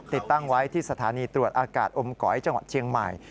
ติดตั้งไว้ที่สถานีตรวจอากาศอมก๋อยจังหวัดเชียงใหม่